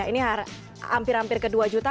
ini hampir hampir ke dua juta